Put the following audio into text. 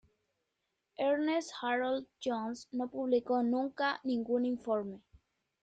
Ernest Harold Jones no publicó nunca ningún informe.